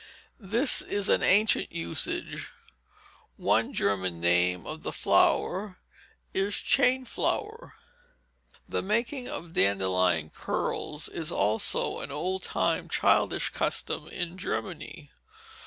This is an ancient usage; one German name of the flower is chain flower. The making of dandelion curls is also an old time childish custom in Germany.